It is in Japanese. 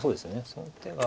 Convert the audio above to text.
その手が。